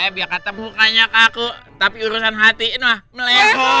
biar kata mukanya kaku tapi urusan hatiin mah melekoy